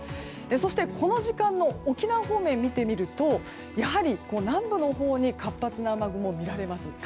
そして、この時間の沖縄方面を見てみるとやはり南部のほうに活発な雨雲が見られます。